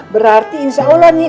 berarti insya allah nih